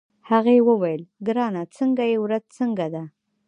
هغې وویل: ګرانه څنګه يې، ورځ څنګه ده؟